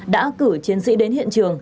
đã cử chiến sĩ đến hiện trường